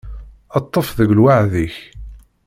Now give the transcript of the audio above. Ṭṭef deg lweɛd-ik.